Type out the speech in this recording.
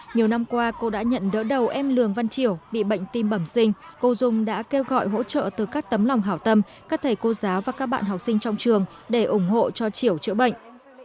nhiều năm qua cô đã nhận đỡ đầu em lường văn triểu bị bệnh tim bẩm sinh cô dung đã kêu gọi hỗ trợ từ các tấm lòng hảo tâm các thầy cô giáo và các bạn học sinh trong trường để ủng hộ cho triểu chữa bệnh